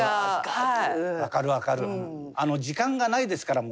はい。